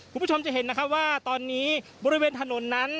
คุณผู้ชมจะเห็นนะคะว่าตอนนี้บริเวณถนนนั้น